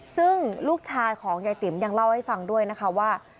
ซึ่งลูกชายของยายติ๋มยังเล่าให้ฟังด้วยนะคะว่า